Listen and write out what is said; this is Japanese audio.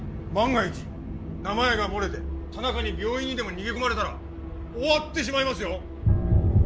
万が一名前が漏れて田中に病院にでも逃げ込まれたら終わってしまいますよ！